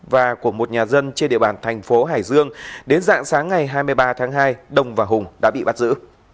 và của một nhà dân trên địa bàn thành phố hải dương đến dạng sáng ngày hai mươi ba tháng hai đông và hùng đã bị bắt giữ